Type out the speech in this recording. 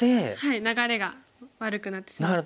流れが悪くなってしまって。